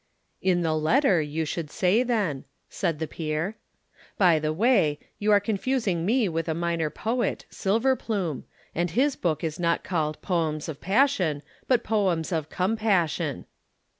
"In the letter, you should say then," said the peer. "By the way, you are confusing me with a minor poet, Silverplume, and his book is not called Poems of Passion but Poems of Compassion."